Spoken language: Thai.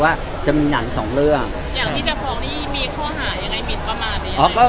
ผู้ใหญ่คือพี่โอ